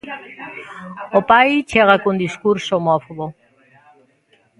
O pai chega cun discurso homófobo.